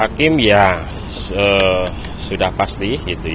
hakim ya sudah pasti